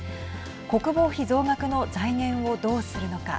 国防費増額の財源をどうするのか。